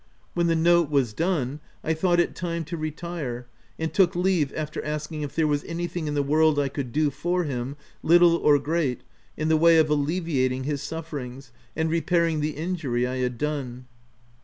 When the note was done, I thought it time to retire, and took leave after asking if there was anything in the world I could do for him, little or great, in the way of alleviating his sufferings, and repairing the in jury I had done.